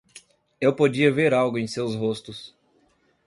Eu podia ver algo em seus rostos.